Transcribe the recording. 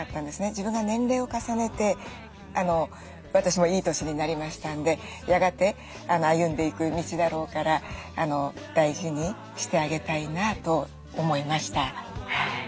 自分が年齢を重ねて私もいい年になりましたんでやがて歩んでいく道だろうから大事にしてあげたいなと思いました。